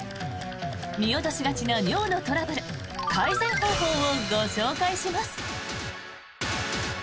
見落としがちな尿のトラブル改善方法をご紹介します。